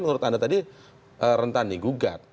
menurut anda tadi rentan di gugat